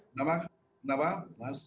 kenapa kenapa mas